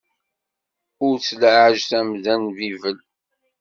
Ur ttlaɛej tamda n bibel.